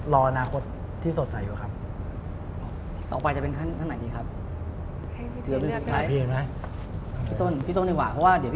รอนาคตที่สดใสกว่าครับ